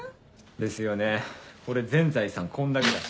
ですよね俺全財産こんだけだし。